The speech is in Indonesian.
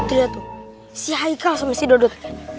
tuh lihat tuh si haikal sama si dodot